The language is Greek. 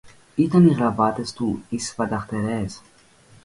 Ήταν οι γραβάτες του οι σφανταχτερές;